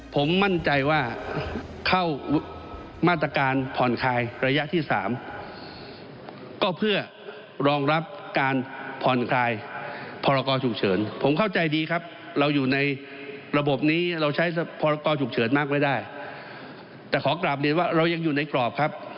ผมมั่นใจว่าเข้ามาตรการผ่อนคลายระยะที่สามก็เพื่อรองรับการผ่อนคลายพรกรฉุกเฉินผมเข้าใจดีครับเราอยู่ในระบบนี้เราใช้พรกรฉุกเฉินมากไว้ได้แต่ขอกลับเรียนว่าเรายังอยู่ในกรอบครับ